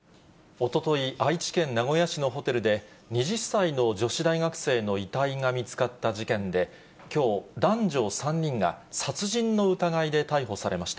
おととい、愛知県名古屋市のホテルで２０歳の女子大学生の遺体が見つかった事件で、きょう男女３人が殺人の疑いで逮捕されました。